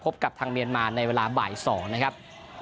กับทางเมียนมาในเวลาบ่าย๒นะครับ